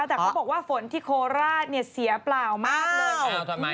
แต่เขาบอกว่าฝนที่โคราชเนี่ยเสียเปล่ามากเลย